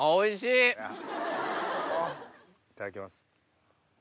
いただきます。